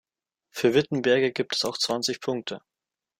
Für Wittenberge gibt es auch zwanzig Punkte.